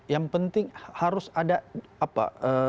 yang penting harus ada apa